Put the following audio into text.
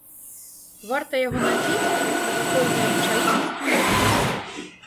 Варта яго надзець, як навакольная рэчаіснасць мяняецца.